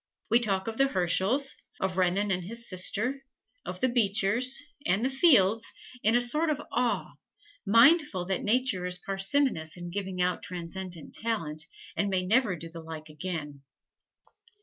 We talk of the Herschels, of Renan and his sister, of the Beechers, and the Fields, in a sort of awe, mindful that Nature is parsimonious in giving out transcendent talent, and may never do the like again.